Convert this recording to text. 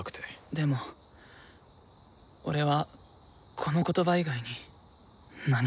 でも俺はこの言葉以外に何も。